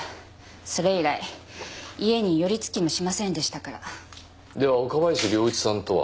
それ以来家に寄り付きもしませんでしたからでは岡林良一さんとは？